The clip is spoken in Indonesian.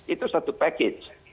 itu satu package